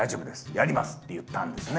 やります」って言ったんですね。